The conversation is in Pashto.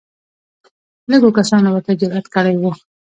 لږو کسانو ورتلو جرئت کړی وي